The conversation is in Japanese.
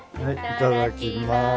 いただきます。